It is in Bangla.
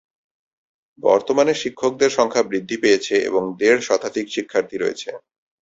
বর্তমানে শিক্ষকদের সংখ্যা বৃদ্ধি পেয়েছে এবং দেড় শতাধিক শিক্ষার্থী রয়েছে।